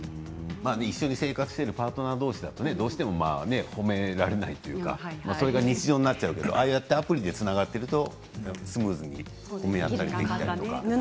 一緒に生活しているパートナーどうしだとどうしても褒められないというかそれが日常になっちゃうからアプリでつながっているとスムーズになったりしますね。